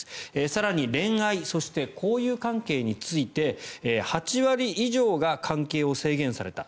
更に恋愛そして交友関係について８割以上が関係を制限された。